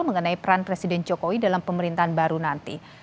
mengenai peran presiden jokowi dalam pemerintahan baru nanti